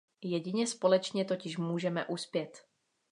Jedině společně totiž můžeme uspět.